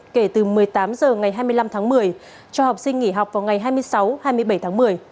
kể từ một mươi tám h ngày hai mươi năm tháng một mươi cho học sinh nghỉ học vào ngày hai mươi sáu hai mươi bảy tháng một mươi